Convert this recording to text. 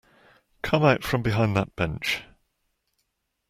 Come out from behind that bench.